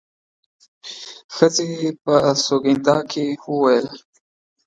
ښځې په سونګېدا کې وويل.